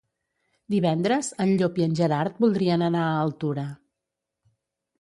Divendres en Llop i en Gerard voldrien anar a Altura.